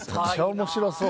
面白そう。